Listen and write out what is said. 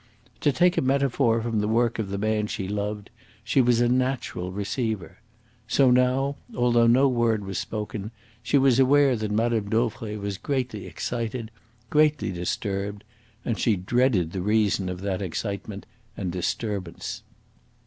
To take a metaphor from the work of the man she loved, she was a natural receiver. So now, although no word was spoken, she was aware that Mme. Dauvray was greatly excited greatly disturbed; and she dreaded the reason of that excitement and disturbance.